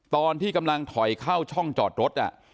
ตอนที่กำลังถอยเข้าช่องจอดรถ